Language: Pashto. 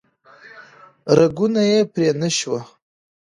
رګونه یې پرې نه شو